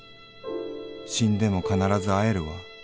『死んでも必ず会えるわ。